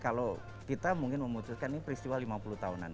kalau kita mungkin memutuskan ini peristiwa lima puluh tahunan